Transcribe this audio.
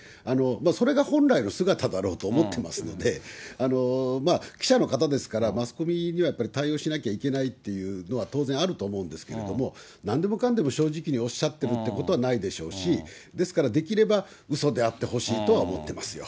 それが本来の姿だろうと思ってますので、記者の方ですから、マスコミにはやっぱり対応しなきゃいけないというのは当然あると思うんですけれども、なんでもかんでも正直におっしゃってるということはないでしょうし、ですから、できれば、うそであってほしいとは思ってますよ。